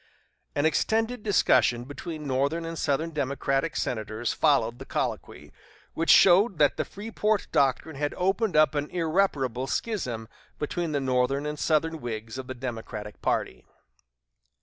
An extended discussion between Northern and Southern Democratic senators followed the colloquy, which showed that the Freeport doctrine had opened up an irreparable schism between the Northern and Southern wings of the Democratic party.